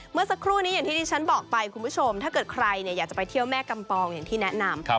เมื่อสักครู่นี้อย่างที่ที่ฉันบอกไปคุณผู้ชมถ้าเกิดใครอยากจะไปเที่ยวแม่กำปองอย่างที่แนะนำ